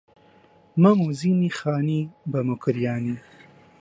مەم و زینی خانی بە موکریانی